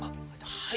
はい。